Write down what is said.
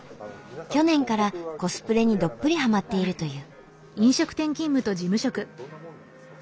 去年からコスプレにどっぷりはまっているという。